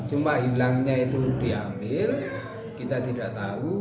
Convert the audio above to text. cuma hilangnya itu diambil kita tidak tahu